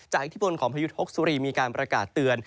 จากอิทธิบนของพยุทธศุรีมีการประกาศเตือน